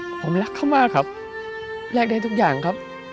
ผมรักเขามากครับรักได้ทุกอย่างครับ